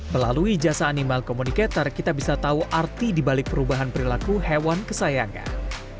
melalui jasa animal communicator kita bisa tahu arti dibalik perubahan perilaku hewan kesayangan